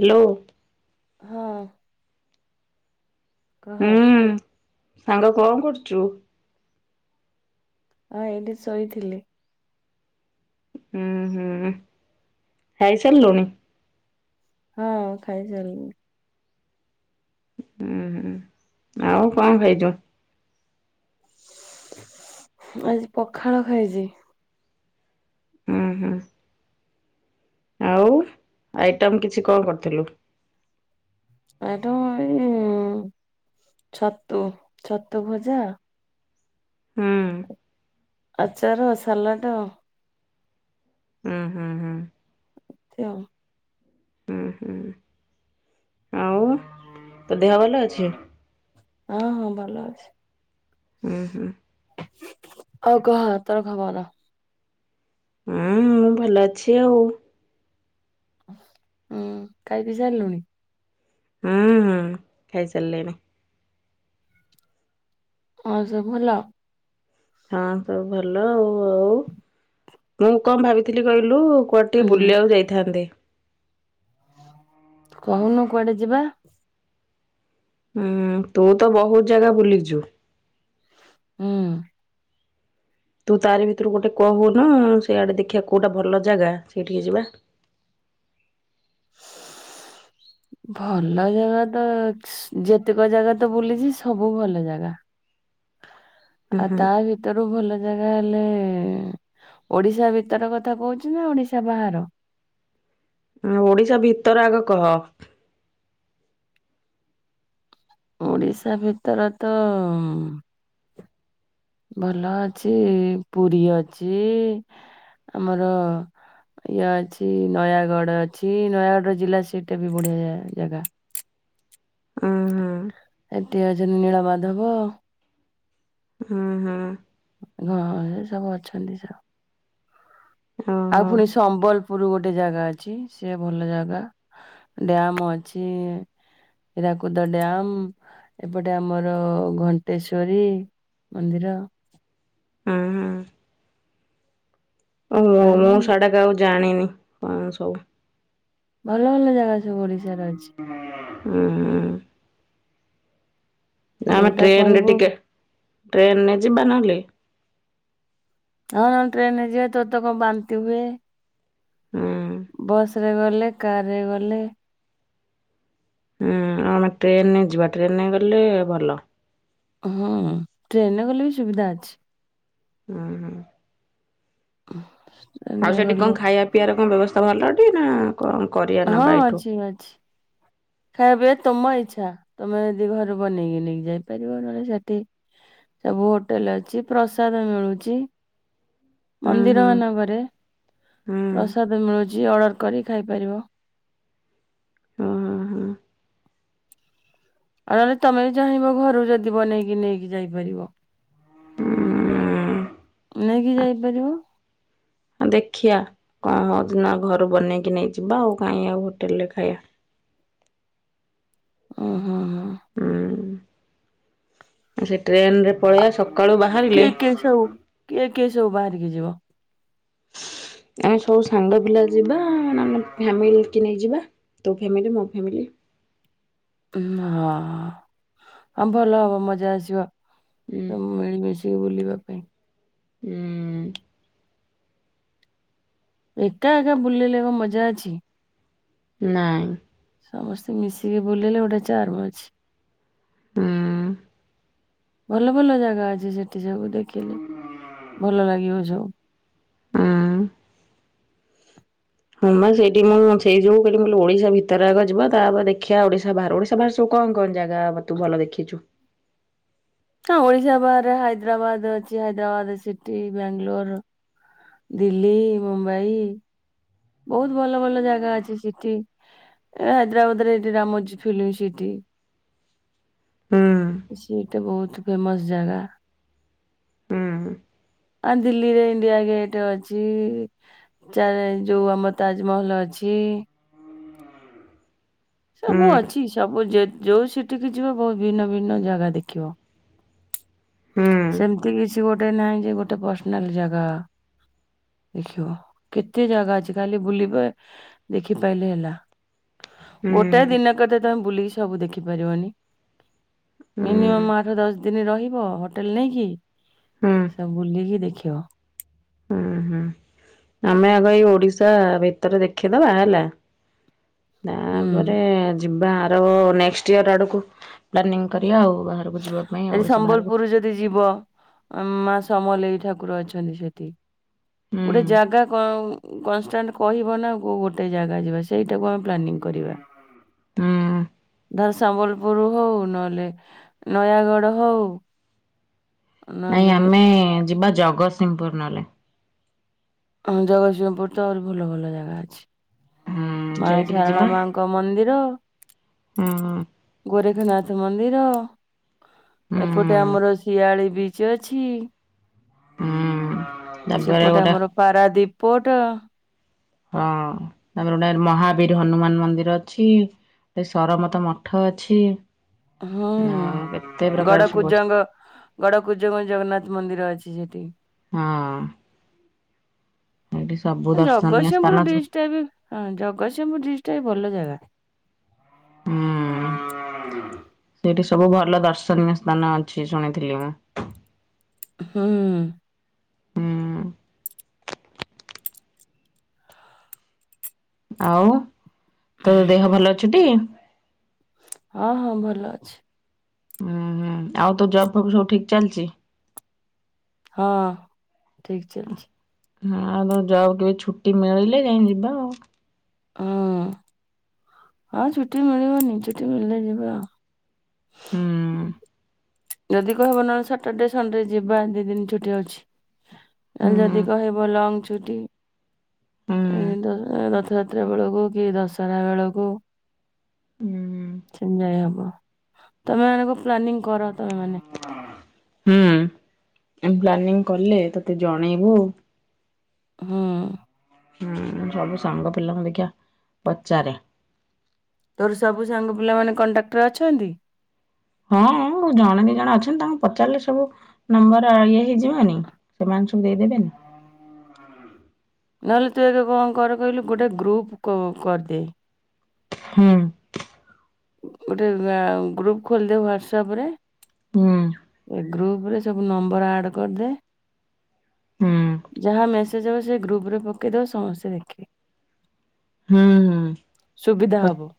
Hello ହଁ କହ ହୁଁ ସାଙ୍ଗ କଣ କରୁଛୁ ହଁ ଏଇଠି ଶୋଇଥିଲି ହୁଁ ହୁଁ ହେଇସାର ଲୁଣି ହଁ ଖାଇ ଚାଲ ହୁଁ ହୁଁ ଆଉ କଣ ଖାଇଛୁ ଆଜି ପଖାଳ ଖାଇଛି ହୁଁ ହୁଁ ଆଉ ଆଇଟମ କିଛି କଣ କରିଥିଲୁ ଏଠ ଏଇ ଛତ୍ର ଛତ୍ର ଭୂଜା ହଁ ଆଚାର ସାଲାଟ ହୁଁ ହୁଁ ହୁଁ ଆଛ ହୁଁ ହୁଁ ତ ଦେହ ଭଲ ଅଛି ହଁ ହଁ ଭଲ ଅଛି ହୁଁ ହୁଁ ଆଉ କ ତରଖବ ହୁଁ ମୁଁ ଭଲ ଅଛି ଆଉ ହୁଁ କାଇ ବିିସ ଲୁଣି ହୁଁ ହଁ ଖାଇ ଚାଲିଲଣି ହଁ ସ ଭଲ ହଁ ସବୁ ଭଲ ଆଉ ଆଉ ମୁଁ କଣ ଭାବିଥିଲି କହିଲୁ କୁଆଟିେ ହୁଁ ବୁଲିବାକୁ ଯାଇଥାନ୍ତି କହୁନୁ କୁଆଡେ ଯିବା ହୁଁ ତୁ ତ ବହୁତ ଜାଗା ବୁଲିଛୁ ହୁଁ ତୁ ତାରି ଭିତରୁ ଗୋଟେ କହୁନ ସେଆଡେ ଦେଖିବା କୋଉଟା ଭଲ ଜାଗା ସେଇଠିକେ ଯିବା ହ ଭଲ ଜାଗା ତ ଯେତିକ ଜାଗା ତ ବୁଲିଛି ସବୁ ଭଲ ଜାଗା ହୁଁ ଆଉ ତା ଭିତରୁ ଭଲ ଜାଗା ହେଲେ ଓଡିଶା ଭିତର କଥା କହୁଚୁ ନା ଓଡିଶା ବାହାର? ଓଡିଶା ଭିତର ଆଗ କହ। ଓଡିଶା ଭିତର ତ ଭଲ ଅଛି ପୁରି ଅଛି। ଆମର ଇଏ ଅଛି ନୟାଗଡ ଅଛି ନୟାଗଡ ର ଜିଲ୍ଲା ସେଇଟା ବି ବଢିଆ ଜାଗା। [inaudible] ଉଁ ହୁଁ। ଏଠି ଅଛନ୍ତି ନିଳମାଧବ। ହୁଁ ହୁଁ ହଁ ସେ ସବୁ ଅଛନ୍ତି। [unintelligible] ଆଉ ଓହୋ ପୁଣି ସମ୍ବଲପୁର ଗୋଟେ ଜାଗା ଅଛି। ସେ ଭଲ ଜାଗା। ଡ୍ୟାମ ଅଛି। [inaudible] ହୀରାକୁଦ ଡ୍ୟାମ ଏପଟେ ଆମର ଘଣ୍ଟେଶ୍ଵରୀ। ମନ୍ଦିର। [unintelligible] ମୁଁ ମୁଁ ସିଆଡେ କାହାକୁ ଜାଣିନି। ମୁଁ ସବୁ ଭଲ ଭଲ ଜାଗା ଅଛି ସବୁ ଓଡ଼ି ଉଁ। ଆମେ ଯୋଉଟା ଟ୍ରେନରେ କହିବୁ ଟିକେ, ଟ୍ରେନ ଯିବା ନହେଲେ? ହଁ ଟ୍ରେନରେ ଯିବା ତୋ ତ କଣ ବାନ୍ତି ହୁଏ। ହୁଁ। ବସ୍ [unintelligible] ଗଲେ କାରରେ ଗଲେ ହୁଁ ଆମେ ଟ୍ରେନରେ ଯିବା ଟ୍ରେନରେ ଗଲେ ଭଲ। ହୁଁ ଟ୍ରେନରେ ଗଲେ ବି ସୁବିଧା ଅଛି। ଉଁ ହୁଁ। [inaudible] ଆଉ ସେଠି ଗଲେ କଣ ଖାଇବା ପିଇବାର କଣ ବ୍ୟବସ୍ଥା ଭଲ ଅଛି ନା କଣ କରିବା ହଁ ନବା ଏଠୁ? ଅଛି ଅଛି ଖାଇବା ପିଇବା ତମ ଇଚ୍ଛା। ତମେ ଯଦି ଘରୁ ବନେଇକି ନେଇକି ଯାଇପାରିବ। ନହେଲେ ସେଠି ସବୁ ହୋଟେଲ ଅଛି ପ୍ରସାଦ ମିଳୁଛି। ହୁଁ ହୁଁ ମନ୍ଦିର ମାନଙ୍କରେ ହୁଁ ପ୍ରସାଦ ମିଳୁଛି। ଅର୍ଡର କରି ଖାଇପାରିବ। [unintelligible] ଆଉ ନହେଲେ ତମେବି ଚାହିଁବ ଘରକୁ ଯଦି ବନେଇକି ନେଇକି ଯାଇପାରିବ। ନେଇକି ହୁଁ ଯାଇପାରିବ। ଦେଖିଆ କଣ ହଉଛି ନା ଘରୁ ବନେଇକି ନେଇଯିବା ଆଉ। କାଇ ଆଉ ହୋଟେଲରେ ଖାଇବା। [inaudible] ହୁଁ ହୁଁ ହୁଁ। ହୁଁ ସେ ଟ୍ରେନରେ ପଳେଇବା ସକାଳୁ ବାହାରିଲେ କିଏ କିଏ ସବୁ କିଏ [unintelligible] ଯିବ। ଆମେ ସବୁ ସାଙ୍ଗ ପିଲା ଯିବା ନା ଆମ ଫାମିଲି କି ନେଇ ଯିବା ତୋ ଫ୍ୟାମିଲି ମୋ ଫ୍ୟାମିଲି। ହଁ ଆଉ ଭଲ ହବ ମଜା ଆସିବ। ଉଁ ସବୁ ମିଳିମିଶି ବୁଲିବା ପାଇଁ। ହୁଁ। ଏକା ଏକା ବୁଲିଲେ କଣ ମଜା ଅଛି? ନାଇଁ। ସମସ୍ତେ ମିଶିକି ବୁଲିଲେ ଗୋଟେ ଚାର୍ମ ଅଛି। ହୁଁ। ଭଲ ଭଲ ଜାଗା ଅଛି ସେଠିସବୁ ଦେଖିଲେ ଭଲ ଲାଗିବ ସବୁ। ହୁଁ। ହୁମା ସେଇଠି ମୁଁ ସେଇ ଯୋଉ କହିଲି ଓଡିଶା ଭିତରେ ଆଗ ଯିବା ତାପରେ ଦେଖିବା ଓଡିଶା ବାହାରେ। ଓଡିଶା ବାହାରାରେ ସବୁ କଣ କଣ ଜାଗା ହବ, ତୁ ଭଲ ଦେଖିଛୁ? ହଁ ଓଡିଶା ବାହାରେ ହାଇଦ୍ରାବାଦ ଅଛି, ହାଇଦ୍ରାବାଦ ସିଟି ବାଙ୍ଗାଲୋର ଦିଲ୍ଲୀ, ମୁମ୍ବାଇ ବହୁତ ଭଲ ଭଲ ଜାଗା ଅଛି ସିଟି ହାଇଦ୍ରାବାଦରେ ଏଇଟି ରାମଜୀ ଫିଲ୍ମ ସିଟି ହୁଁ। ସେଇଟା ବହୁତ ଫେମସ ଜାଗା। ହୁଁ ଆ ଦିଲ୍ଲୀରେ ଇଣ୍ଡିଆ ଗେଟ ଅଛି, [unintelligible] ଯୋଉ ଆମ ତାଜମହଲ ଅଛି। ଅଛି। ସବୁ ହୁଁ ଅଛି ସବୁ ଜ ଯୋଉ ସିଟିକ ଯିବ ବହୁତ ଭିନ୍ନ ଭିନ୍ନ ଜାଗା ଦେଖିବ। ହୁଁ। ସେମିତି କିଛି ଗୋଟେ ନାହିଁ ଯେ ଗୋଟେ ପର୍ସନାଲ ଜାଗା ଦେଖିବ କେତେ ଜାଗା ଅଛି ଖାଲି ବୁଲି ପା ଦେଖି ପାଇଲେ ହେଲା। ହୁଁ ଗୋଟାଏ ଦିନ କତେ ତମେ ବୁଲିକି ସବୁ ଦେଖି ପାରିବନି। ହୁଁ ମିନିମମ୍ ଆଠ ଦଶ ଦିନ ରହିବ ହୋଟେଲ ନେଇ କି ହୁଁ ସବୁ ବୁଲିକି ଦେଖିବ। ହୁଁ ହୁଁ। ଆମେ ଆଗ ଏଇ ଓଡିଶା ଭିତରେ ଦେଖିଦବା ହେଲା। ହୁଁ ତାପରେ ଯିବା ଆର ନେକ୍ସଟ ଇୟର ଆଡକୁ ପ୍ଲାନିଂ କରିଆ ଆଉ। ବାହାରକୁ ଯିବା ପାଇଁ ଆଉ ଏ ଓଡିଶା ବାହାରକୁ ସମ୍ବଲପୁର ଯଦି ଯିବ ଅଁ ମା ସମଲେଇ ଠାକୁର ଅଛନ୍ତି ସେଠି। ହୁଁ ଗୋଟେ ଜାଗା କନ କଂଷ୍ଟାନ୍ତ କହିବ ନା, ଗୋଟେ ଜାଗା ଯିବା ସେଇଟାକୁ ଆମେ ପ୍ଲାନିଂ କର ଯିବା। ହୁଁ। ଧର ସମ୍ବଲପୁର ହଉ, ନହେଲେ ନୟାଗଡ଼ ହଉ ନାଇଁ ନହେଲେ ଆମେ ଯିବା ଜଗତସିଂହପୁର ନହଲେ। ହଁ ଜଗତସିଂହପୁର ତ ଆହୁରି ଭଲ ଭଲ ଜାଗା ଅଛି। ହୁଁ ମା ସେଇଠିକି ଶାରଳା ଯିବା। ମାଙ୍କ ମନ୍ଦିର, ହୁଁ ଗୋରେଖନାଥ ଥ ମନ୍ଦିର ହୁଁ ଏପଟେ ଆମର ଶିଆଳି ବିଚ ଅଛି। ହୁଁ। ତାପରେ ସେପଟେ ଗୋଟେ ଆମର ପାରାଦୀପ ପୋର୍ଟ। ହଁ ତାପରେ, ଗୋଟେ ମହାବୀର ହନୁମାନ ମନ୍ଦିର ଅଛି। ଏ ସରମତ ମଠ ଅଛି। ହଁ। କେତେ ପ୍ରକାର ଗଡ ସବୁ ଅଛି କୁଜଙ୍ଗ ଗଡ କୁଜଙ୍ଗ ଜଗନ୍ନାଥ ମନ୍ଦିର ଅଛି ସେଠି। ହଁ। ସେଇଠି ସବୁ ଦର୍ଶନୀୟ ସ୍ଥାନ ଜଗତସିଂହପୁର ଅଛି। ଡିଷ୍ଟ ଟା ବି, ହଁ ଜଗତସିଂହପୁର ଡିଷ୍ଟ୍ ଟା ବି ଭଲ ଯା ଗା। ହୁଁ ସେଇଠି ସବୁ ଭଲ ଦର୍ଶନୀୟ ସ୍ଥାନ ଅଛି ଶୁଣିଥିଲି ମୁଁ। ହୁଁ। ହୁଁ। ଆଉ ତୋ ଦେହ ଭଲ ଅଛି ଟି? ହଁ ହଁ ଭଲ ଅଛି। ହୁଁ ହୁଁ ଆଉ ତୋ ଜବ୍ ଫବ ସବୁ ଠିକ ଚାଲିଛି। ହଁ ଠିକ ଚାଲିଛି। ହଁ ଆଉ ତୋ ଯବ କେବେ ଛୁଟି ମିଳିଲେ ଯାଇଁ ଯିବା ଆଉ। ହଁ ଆଉ ଛୁଟି ମିଳିବନି ଛୁଟି ମିଳିଲେ ଯିବା ଆଉ। ହୁଁ। ଯଦି କହିବ ନହେଲେ, ସଟରର୍ଡେ ସଣ୍ଡେ ଯିବା ଦି ଦିନ ଛୁଟି ହୁଁ ଅଛି। ହୁଁ। ଯଦି କହିବ ଲଙ୍ଗ ଛୁଟି। [unintelligible] ରଥଯାତ୍ରା ବେଳକୁ କି ଦଶହରା ବେଳକୁ। ସେ ଯାଇ ହବ ତମେ ଆଗ ପ୍ଲାନିଂ କର। ତମେ ମାନେ ହୁଁ। ଆମେ ପ୍ଲାନିଂ କଲେ ତତେ ଜଣେଇବୁ ଆଉ। ହୁଁ ହୁଁ ସବୁ ସାଙ୍ଗ ପିଲାଙ୍କୁ ଦେ ଆଜ୍ଞା ପଚାରେ ତୋର ସବୁ ସାଙ୍ଗ ପିଲା ମାନେ କଣ୍ଟାକ୍ଟ ରେ ଅଛନ୍ତି? ହଁ-ଅ-ଅ ଜଣେ ଦି ଜଣେ ଅଛନ୍ତି ତାଙ୍କୁ ପଚାରିଲେ ସବୁ ନମ୍ବର ଇଏ ହେଇଯିବନି ସେମାନେ ସବୁ ଦେଇ ଦେବନି। ନହେଲେ ତୁ ଏକ କଣ କର କହିଲୁ ଗୋଟେ ଗ୍ରୁପ କୁ କରିଦେ। ହୁଁ। ଗୋଟେ ଅ ଗ୍ରୁପ ଖୋଲିଦେ ହ୍ଵାଟସଅପ ରେ। ହୁଁ ଏ ଗ୍ରୁପ ରେ ସବୁ ନମ୍ବର ଆଡ କରିଦେ। ହୁଁ ଯାହା ମେସେଜ ହେବ ସେ ଗ୍ରୁପରେ ପକେଇଦବ ସମସ୍ତେ ଦେଖିବେ। ହୁଁ ହୁଁ ସୁବିଧା କ ହବ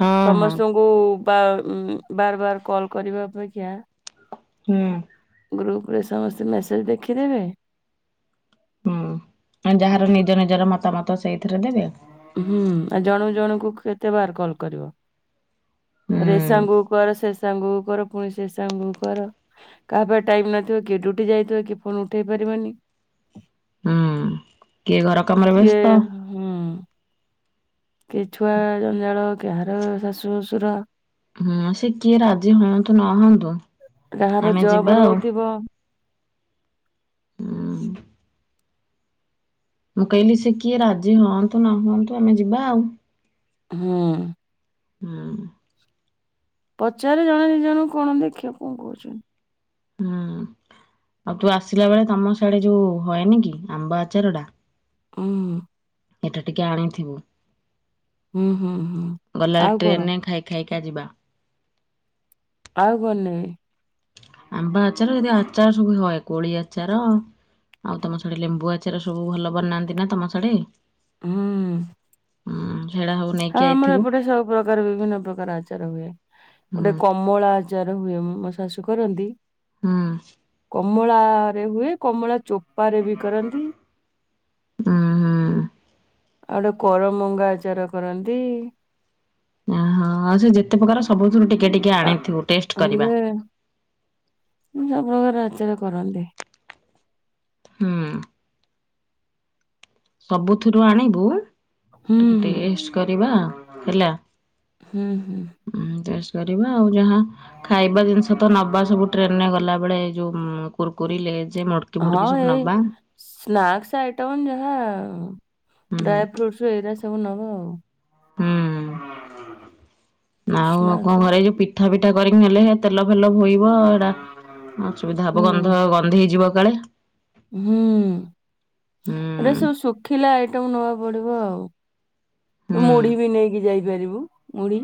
ହଁ ହଁ ସମସ୍ତଙ୍କୁ-ଉ-ଉ ବାର ବାର ବାର କଲ୍ କରିବା ଅପେକ୍ଷା ହୁଁ। ଗ୍ରୁପ ରେ ସମସ୍ତେ ମେସେଜ ଦେଖିଦେବେ। ହୁଁ ଯାହାର ନିଜ ନିଜର ମତାମତ ସେଇଥିରେ ଦେବେ। କୁ କେତେ ବାର କଲ୍ କରିବ। ହଁ ରେ ସାଙ୍ଗ କର, ସେ ସାଙ୍ଗ କର, ପୁଣି ସେ ସାଙ୍ଗ କର କାହାପାଖେ ଟାଇମ ନଥିବ କେ ଡ୍ୟୁ ଉଟି ଯାଇଥିବ କି ଫୋନ ଉଠେଇ ପାରିବନି। ହୁଁ କିଏ ଘର କାମରେ କିଏ ବ୍ୟସ୍ତ ହୁଁ। କି ଛୁଆ ଜଞ୍ଜାଳ, କାହାର ଶାଶୁ, ଶ୍ୱଶୁର ହୁଁ ସେ କିଏ ରାଜି ହୁଅନ୍ତୁ ନ ହୁଅନ୍ତୁ କାହାର ଆମେ ଯିବା ଜବ ରହୁଥିବ ହୁ ମୁଁ କହିଲି ସେ କିଏ ରାଜି ହୁଅନ୍ତୁ ନ ହୁଅନ୍ତୁ ଆମେ ଯିବା ଆଉ। ହୁଁ। ହୁଁ। ପଚାରେ ଜଣେ ଦି ଜଣଙ୍କୁ କଣ ଦେଖିବା କଣ କହୁଛନ୍ତି। ହଁ। ଆଉ ତୁ ଆସିଲା ବେଳେ ତମ ସିଆଡେ ଯୋଉ ହଏନି କି ଆମ୍ବ ଆଚାର ଟା। ହଁ। ଏଟା ଟିକେ ଆଣିଥିବୁ। ହୁଁ, ହୁଁ, ହୁଁ, ଗଲାବେଳେ ଆଉ କଣ? ଟ୍ରେନରେ ଖାଇ ଖାଇକି ଖାଇକା ଯିବା। ଆଉ କଣ ନେବି? ଆମ୍ବ ଆଚାର ଯଦି ଆଚାରା ସବୁ ହଏ। କୋଳି ଆଚାର ଆଉ ତମ ସାଡେ ଲେମ୍ବୁ ଆଚାର ସବୁ ଭଲ ବନାନ୍ତି ନା ତମ ସାଢେ। ହଁ। ସେଇଟା ସବୁ ହଁ ନେଇକି ଆମର ଆଇଥିବୁ ଏପଟେ ସବୁ ପ୍ରକାର ବିଭିନ୍ନ ପ୍ରକାର ଆଚାର ହୁଏ। ଗୋଟେ ହୁଁ କମଳା ଆ ଚାର ହୁଏ ମୁଁ ମୋ ଶାଶୁ କରନ୍ତି। ହଁ। କମଳା ରେ ହୁଏ। କମଳା ଚୋପାରେ ବି କରନ୍ତି। ହ ହ। ଆଉ ଗୋଟେ କରମଙ୍ଗା ଆଚାର କରନ୍ତି। ଓହୋ ଆଉ ସେ ଯେତେ ପ୍ରକାର ସବୁଥିରୁ ଟିକେ ଟିକେ ଟିକେ ଆ ଆଣିଥିବୁ ଟେଷ୍ଟ କରିବା। ଯେ ସବୁ ପ୍ରକାର ଆଚାର କରନ୍ତି। ହଁ। ସବୁଥିରୁ ଆଣିବୁ ହୁଁ, ଟିକେ ହୁଁ, ଟେଷ୍ଟ କରିବା ହେଲା ହୁଁ, ହୁଁ, ଉମ ଟେ କରିବା ଆଉ ଯାହା ଖାଇବା ଜିନିଷ ତ ନବା ସବୁ ଟ୍ରେନରେ ଗଲାବେେଳେ ଯଉ କୁର୍କୁରି ଲେଜ ମୁଡକି ହଁ ଫୁଡକି ସବୁ ଏଇ ନବା। ସ୍ନାକ୍ସ ଆଇଟମ୍ ଯାହା ହୁଁ ଡ୍ରାଏ ଫ୍ରୁଟୁ ଏଇଗା ସବୁ ନବା ଆଉ ହୁଁ ଆଉ ସ୍ନା କଣ କ୍ସ ଘରେ ଯୋଉ ପିଠା କରିକି ହେଲେ ତେଲ ଫେଲ ବୋଇବ ଏଇଟା ଅସୁବିଧା ହବ ହୁଁ, ଗନ୍ଧ ଗନ୍ଧେଇଯିବ କଳେ ହୁଁ ହୁଁ ରେ ସବୁ ଶୁଖିଲା ଆଇଟମ ନବାକୁ ପଡିବ ଆଉ ତୁ ହୁଁ ମୁଢି ବି ନେଇକି ଯାଇପାରିବୁ ମୁଢି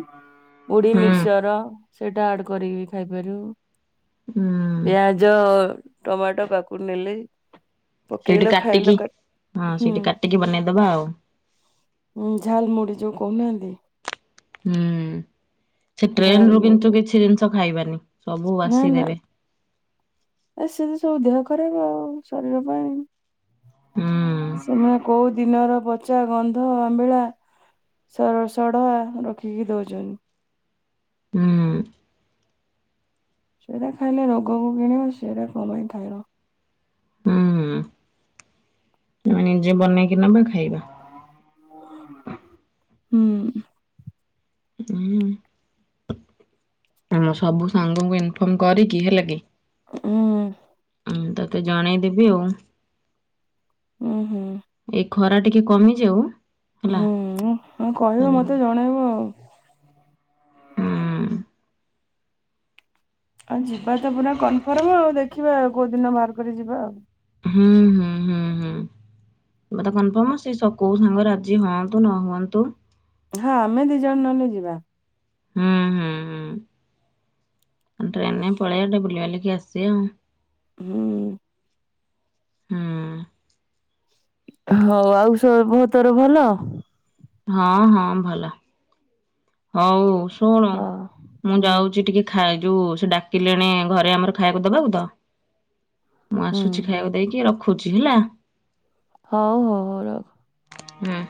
ମୁଢି ହୁଁ ମିକ୍ସଚର ସେଇଟା ଆଡ କରିକି ଖାଇପାରିବ ହୁଁ ପିଆଜ ଟମାଟୋ କାକୁଡି ନେଲେ ସେଇଠି ପକେଇଲ କାଟିକି ଖାଇଲ କା ହଁ ହୁଁ ସେଇଠି କାଟିକି ବନେଇଦବା ଆଉ ଝାଲ ମୁଢ଼ି ଯୋଉ କହୁନାହାନ୍ତି ହୁଁ ସେ ଟ୍ରେନ ରୁ ଝାଲମୁଢି କିନ୍ତୁ କିଛି ଜିନିଷ ଖାଇବାନି । ସବୁ ନା ବାସି ନା ଦେବେ । ଏ ସେତ ସବୁ ଦେହ ଖରାପ ଶରୀର ପାଇଁ ହୁଁ ସେମାନେ କୋଉ ଦିନର ପ ଚା ଗନ୍ଧ ଆମ୍ବିଳା ଷଡ଼ ସଡଆ ରଖିକି ଦଉଛନ୍ତି ହୁଁ ସେରା ଖାଇଲେ ରୋଗକୁ କିଣିବା ସେରା କ ପାଇଁ ଖାଇବ ହୁଁ ଆମେ ନିଜେ ବନେଇକି ନବା ଖାଇ ହୁଁ ହୁଁ ଆମ ସବୁ ସାଙ୍ଗଙ୍କୁ ଇନଫର୍ମ କରିକି ହେଲା କି ଉଁ ହୁଁ ହୁଁ ତତେ ଜଣେଇଦେବି ଆଉ। ଉଁ ହୁଁ ଏଇ ଖରା ଟିକେ କମିଯାଉ। ହେଲା ହୁଁ ଉଁ ହୁଁ କହିବ ମତେ ଜଣେଇବ ଆଉ ହଁ ଆଉ ଯିବା ତ ପୁରା କନଫର୍ମ ଆଉ ଦେଖିବାଉ କୋଉ ଦିନ ବାହାର କରି ଯିବା ଆଉ ହୁଁ ହୁଁ ହୁଁ ହୁଁ କ କନଫର୍ମ ସେ କୋଉ ସାଙ୍ଗରେ ରାଜଜି ହୁଅନ୍ତୁ ନ ହୁଅନ୍ତୁ ହଁ ଆମେ ଦି ଜଣ ନହଲେ ଯିବା। ହୁଁ ହୁଁ ହୁଁ ଟ୍ରେନ ପଳେଇବା ଟିକେ ବୁଲିବାଲି କେ ଆସିଆ ହୁଁ ଉଁ ହୁଁ ହଉ ଆଉ ସ ବୁତୋର ଭଲ ହଁ ହଁ ଭଲ ହଉ ଶୁଣ ହଁ ମୁଁ ହୁଁ ଯାଉଛି ଟିକେ ଖା ଖା ଯୋଉ ସେ ଡାକିଲେଣି ଘରେ ଆମର ଖାଇବାକୁ ଦବାକୁ ତ । ମୁଁ ହୁଁ। ଆସୁଛି ଖାଇବାକୁ ଦେଇଚି ରଖୁଛି ହେଲା । ହଉ ହଉ ହଉ ର ହୁଁ।